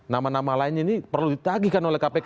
nama nama lainnya ini perlu ditagihkan oleh kpk